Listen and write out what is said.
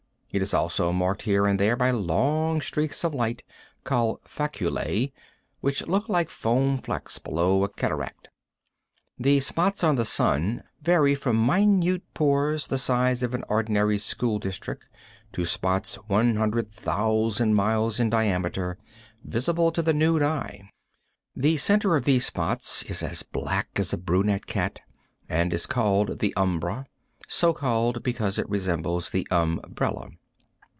It is also marked here and there by long streaks of light, called faculae, which look like foam flecks below a cataract. The spots on the sun vary from minute pores the size of an ordinary school district to spots 100,000 miles in diameter, visible to the nude eye. The center of these spots is as black as a brunette cat, and is called the umbra, so called because it resembles an umbrella.